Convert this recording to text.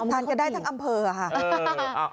ทานกระได้ทั้งอำเภออาหาร